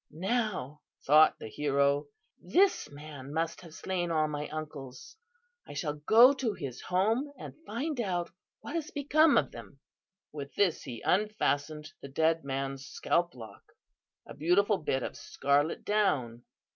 "'Now,' thought the hero, 'this man must have slain all my uncles. I shall go to his home and find out what has become of them.' With this he unfastened from the dead man's scalp lock a beautiful bit of scarlet down.